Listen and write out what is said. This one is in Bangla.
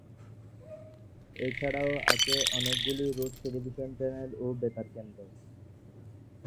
এছাড়াও আছে অনেকগুলি রুশ টেলিভিশন চ্যানেল ও বেতার কেন্দ্র।